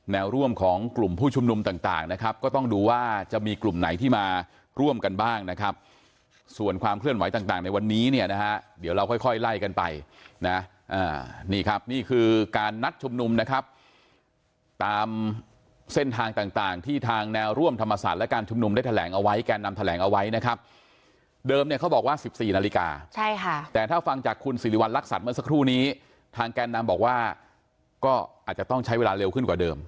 แนวร่วมของกลุ่มผู้ชุมนุมต่างต่างนะครับก็ต้องดูว่าจะมีกลุ่มไหนที่มาร่วมกันบ้างนะครับส่วนความเคลื่อนไหวต่างต่างในวันนี้เนี้ยนะฮะเดี๋ยวเราค่อยค่อยไล่กันไปนะอ่านี่ครับนี่คือการนัดชุมนุมนะครับตามเส้นทางต่างต่างที่ทางแนวร่วมธรรมศาสตร์และการชุมนุมได้แถลงเอาไว้แกนดำแถลงเอาไว้